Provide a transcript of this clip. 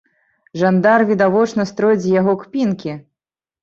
Жандар відавочна строіць з яго кпінкі!